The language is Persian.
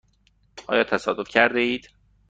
آیا تصادف کرده اید؟